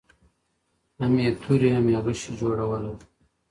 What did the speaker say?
هم یې توري هم یې غشي جوړوله `